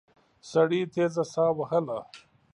سړي تېزه ساه وهله.